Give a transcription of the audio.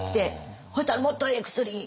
そしたらもっとええ薬。